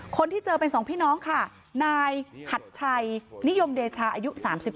คนที่เจอเป็น๒พี่น้องค่ะนายหัดชัยนิยมเดชาอายุ๓๙